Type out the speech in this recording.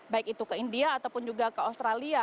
baik itu ke india ataupun juga ke australia